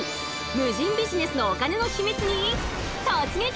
無人ビジネスのお金のヒミツに突撃！